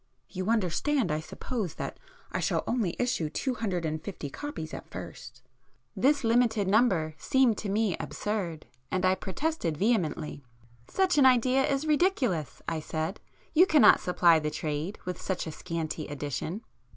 "You understand I suppose, that I shall only issue two hundred and fifty copies at first?" This limited number seemed to me absurd, and I protested vehemently. "Such an idea is ridiculous!" I said—"you cannot supply the trade with such a scanty edition."